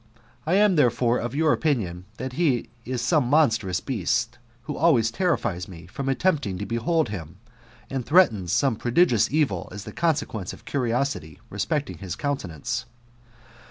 I am, therefore, of your opinion, that he is some monstrous beast, who always terrifies me from attempting to behold him, and threatens some prodigious evil as the consequence of curiosity respecting his countenance.